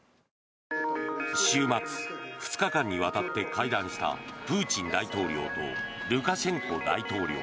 週末２日間にわたって会談したプーチン大統領とルカシェンコ大統領。